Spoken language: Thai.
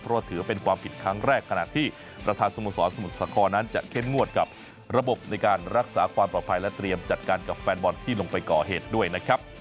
เพราะว่าถือเป็นความผิดครั้งแรกขณะที่ประธานสโมสรสมุทรสาครนั้นจะเข้มงวดกับระบบในการรักษาความปลอดภัยและเตรียมจัดการกับแฟนบอลที่ลงไปก่อเหตุด้วยนะครับ